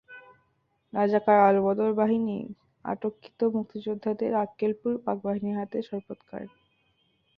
রাজাকার আলবদর বাহিনী আটককৃত মুক্তিযোদ্ধাদের আক্কেলপুর পাকবাহিনীর হাতে সোপর্দ করে।